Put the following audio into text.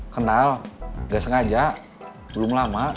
kenal nggak sengaja belum lama